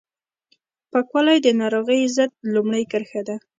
پاکوالی د ناروغیو ضد لومړۍ کرښه ده